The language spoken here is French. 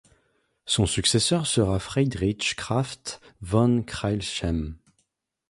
Son successeur sera Friedrich Krafft von Crailsheim.